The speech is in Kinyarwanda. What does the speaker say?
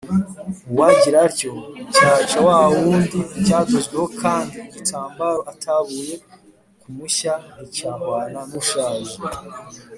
uwagira atyo, cyaca wa wundi cyadozweho kandi, igitambaro atabuye ku mushya nticyahwana n’ushaje